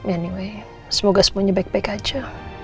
anyway semoga semuanya baik baik aja